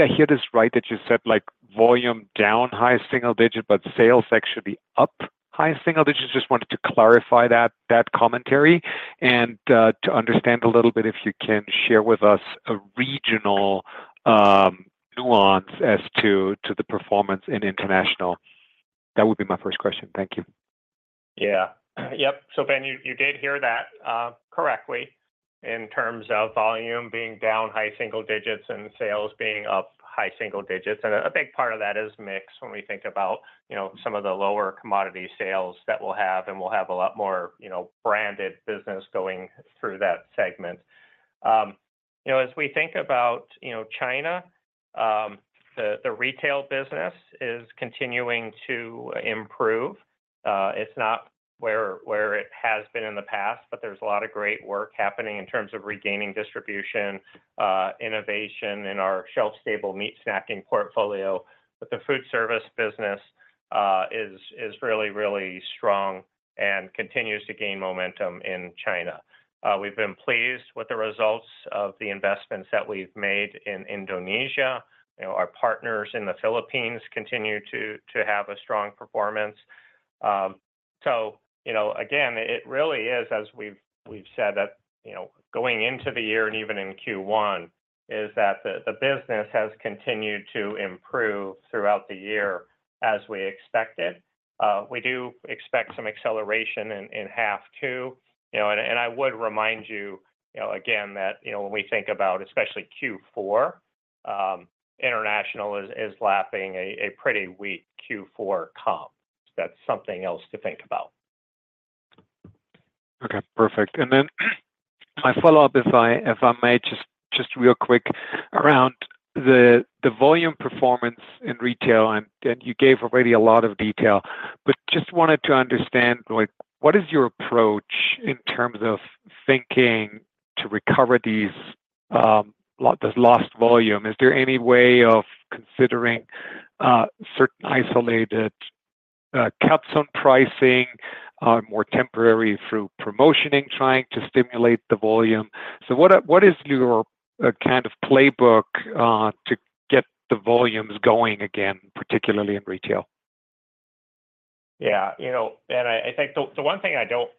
I hear this right that you said, like, volume down high single digit, but sales actually up high single digits? Just wanted to clarify that, that commentary and, to understand a little bit, if you can share with us a regional nuance as to, to the performance in international. That would be my first question. Thank you. Yeah. Yep. So, Ben, you did hear that correctly in terms of volume being down high single digits and sales being up high single digits. And a big part of that is mix when we think about, you know, some of the lower commodity sales that we'll have, and we'll have a lot more, you know, branded business going through that segment. You know, as we think about China, the retail business is continuing to improve. It's not where it has been in the past, but there's a lot of great work happening in terms of regaining distribution, innovation in our shelf-stable meat snacking portfolio. But the food service business is really, really strong and continues to gain momentum in China. We've been pleased with the results of the investments that we've made in Indonesia. You know, our partners in the Philippines continue to have a strong performance. So, you know, again, it really is, as we've said that, you know, going into the year and even in Q1, is that the business has continued to improve throughout the year as we expected. We do expect some acceleration in half two. You know, and I would remind you, you know, again, that, you know, when we think about especially Q4, international is lapping a pretty weak Q4 comp. That's something else to think about. Okay, perfect. And then my follow-up, if I, if I may, just, just real quick around the, the volume performance in retail, and, and you gave already a lot of detail, but just wanted to understand, like, what is your approach in terms of thinking to recover these, the lost volume? Is there any way of considering, certain isolated, caps on pricing, more temporary through promotioning, trying to stimulate the volume? So what is your, kind of playbook, to get the volumes going again, particularly in retail? Yeah, you know, I think the one thing I don't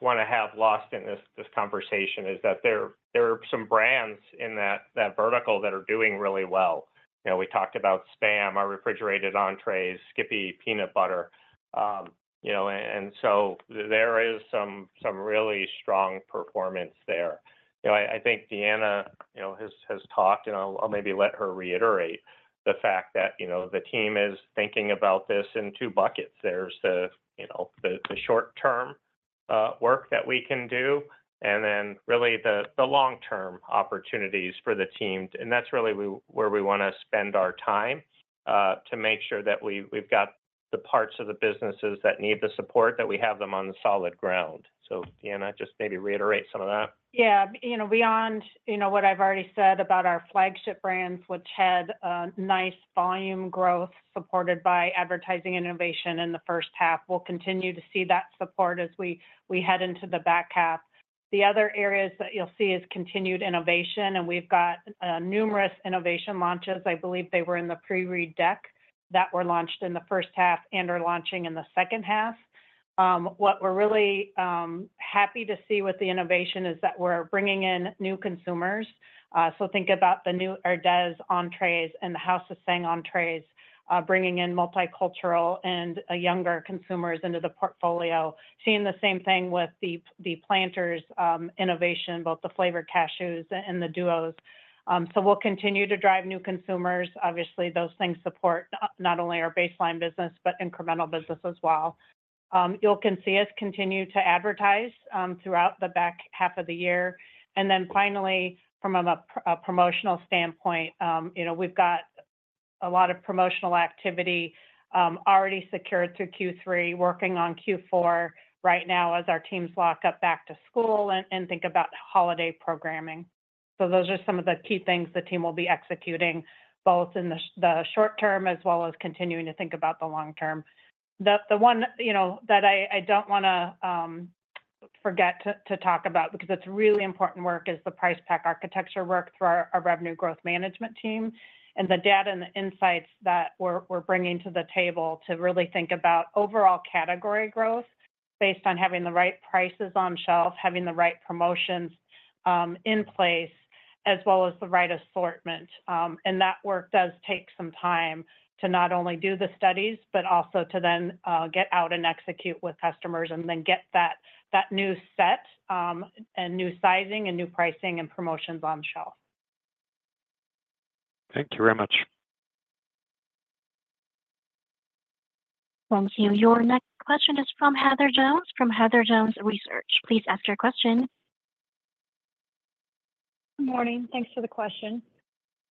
wanna have lost in this conversation is that there are some brands in that vertical that are doing really well. You know, we talked about SPAM, our refrigerated entrees, Skippy Peanut Butter. You know, and so there is some really strong performance there. You know, I think Deanna has talked, and I'll maybe let her reiterate the fact that the team is thinking about this in two buckets. There's the short-term work that we can do, and then really the long-term opportunities for the team. And that's really where we wanna spend our time to make sure that we've got the parts of the businesses that need the support, that we have them on solid ground. Deanna, just maybe reiterate some of that. Yeah, you know, beyond, you know, what I've already said about our flagship brands, which had a nice volume growth supported by advertising innovation in the first half, we'll continue to see that support as we head into the back half. The other areas that you'll see is continued innovation, and we've got numerous innovation launches. I believe they were in the pre-read deck that were launched in the first half and are launching in the second half. What we're really happy to see with the innovation is that we're bringing in new consumers. So think about the new Herdez entrees and the House of Tsang entrees, bringing in multicultural and a younger consumers into the portfolio. Seeing the same thing with the Planters innovation, both the flavored cashews and the Duos. So we'll continue to drive new consumers. Obviously, those things support not, not only our baseline business, but incremental business as well. You'll can see us continue to advertise throughout the back half of the year. And then finally, from a promotional standpoint, you know, we've got a lot of promotional activity already secured through Q3, working on Q4 right now as our teams lock up back to school and think about holiday programming. So those are some of the key things the team will be executing, both in the short term as well as continuing to think about the long term. The one, you know, that I don't wanna forget to talk about, because it's really important work, is the Price Pack Architecture work through our Revenue Growth Management team and the data and the insights that we're bringing to the table to really think about overall category growth based on having the right prices on shelf, having the right promotions in place, as well as the right assortment. That work does take some time to not only do the studies, but also to then get out and execute with customers and then get that new set and new sizing and new pricing and promotions on shelf. Thank you very much. Thank you. Your next question is from Heather Jones, from Heather Jones Research. Please ask your question. Good morning. Thanks for the question.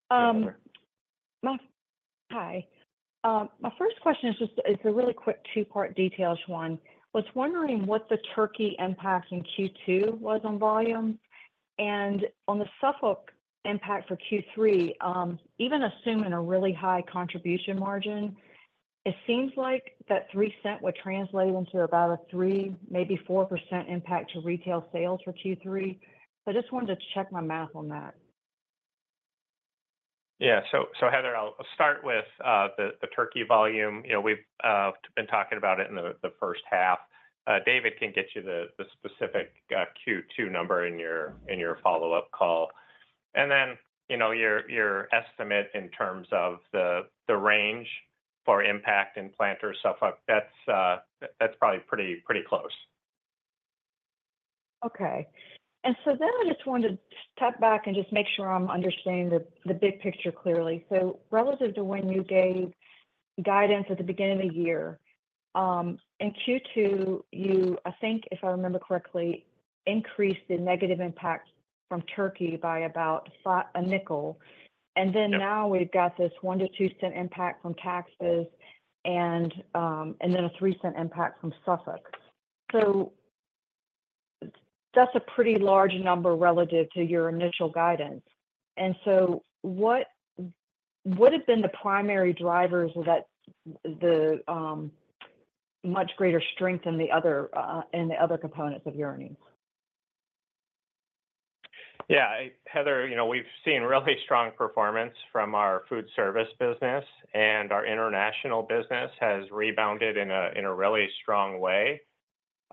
Hi. My first question is just, it's a really quick two-part details one. I was wondering what the turkey impact in Q2 was on volume and on the Suffolk impact for Q3, even assuming a really high contribution margin-... It seems like that 3-cent would translate into about a 3%-4% impact to retail sales for Q3. So I just wanted to check my math on that. Yeah. So Heather, I'll start with the turkey volume. You know, we've been talking about it in the first half. David can get you the specific Q2 number in your follow-up call. And then, you know, your estimate in terms of the range for impact in Planters Suffolk, that's probably pretty close. Okay. So then I just wanted to step back and just make sure I'm understanding the big picture clearly. So relative to when you gave guidance at the beginning of the year, in Q2, you, I think, if I remember correctly, increased the negative impact from turkey by about $0.05. And then now we've got this $0.01-$0.02 impact from taxes and then a $0.03 impact from Suffolk. So that's a pretty large number relative to your initial guidance. And so what would have been the primary drivers that the much greater strength than the other in the other components of your earnings? Yeah. Heather, you know, we've seen really strong performance from our food service business, and our international business has rebounded in a really strong way.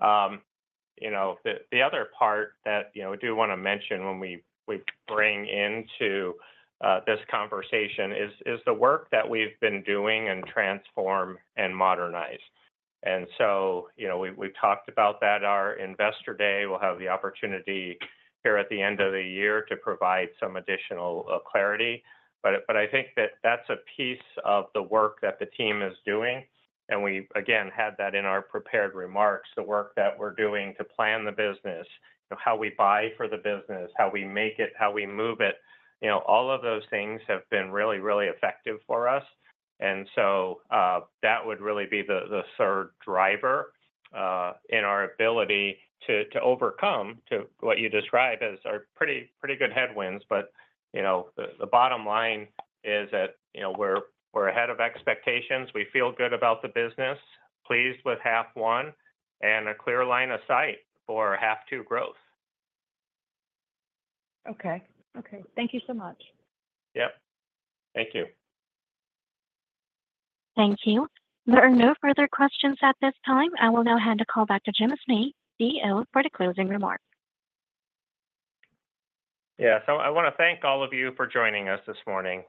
You know, the other part that, you know, I do wanna mention when we bring into this conversation is the work that we've been doing and Transform and Modernize. And so, you know, we've talked about that. Our investor day will have the opportunity here at the end of the year to provide some additional clarity. But I think that that's a piece of the work that the team is doing, and we, again, had that in our prepared remarks, the work that we're doing to plan the business, you know, how we buy for the business, how we make it, how we move it, you know, all of those things have been really, really effective for us. And so, that would really be the third driver in our ability to overcome what you describe as our pretty, pretty good headwinds. But, you know, the bottom line is that, you know, we're ahead of expectations. We feel good about the business, pleased with half one, and a clear line of sight for half two growth. Okay. Okay. Thank you so much. Yep. Thank you. Thank you. There are no further questions at this time. I will now hand the call back to Jim Snee, CEO, for the closing remarks. Yeah. So I wanna thank all of you for joining us this morning.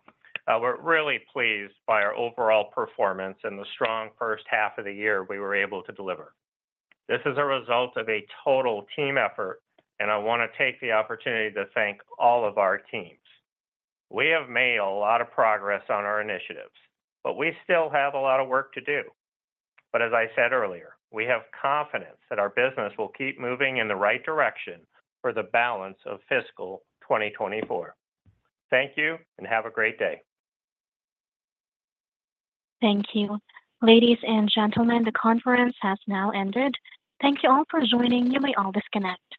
We're really pleased by our overall performance and the strong first half of the year we were able to deliver. This is a result of a total team effort, and I wanna take the opportunity to thank all of our teams. We have made a lot of progress on our initiatives, but we still have a lot of work to do. But as I said earlier, we have confidence that our business will keep moving in the right direction for the balance of fiscal 2024. Thank you, and have a great day. Thank you. Ladies and gentlemen, the conference has now ended. Thank you all for joining. You may all disconnect.